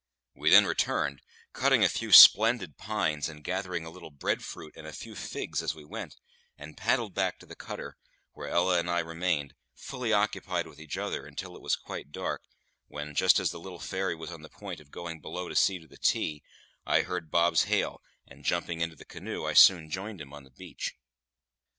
We then returned, cutting a few splendid pines and gathering a little bread fruit and a few figs as we went, and paddled back to the cutter, where Ella and I remained, fully occupied with each other, until it was quite dark, when, just as the little fairy was on the point of going below to see to the tea, I heard Bob's hail, and, jumping into the canoe, I soon joined him on the beach.